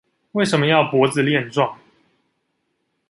為什麼要脖子練壯